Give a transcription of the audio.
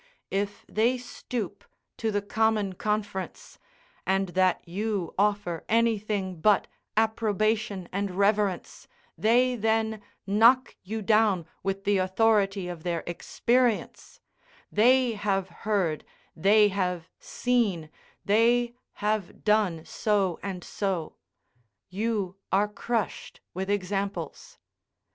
If they stoop to the common conference, and that you offer anything but approbation and reverence, they then knock you down with the authority of their experience: they have heard, they have seen, they have done so and so: you are crushed with examples.